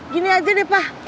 gini aja deh pah